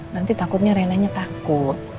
nanti takutnya renanya takut